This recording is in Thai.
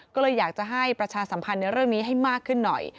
ก็เลยอยากจะให้ประชาสัมพันธ์ในเรื่องนี้ให้มากขึ้นหน่อย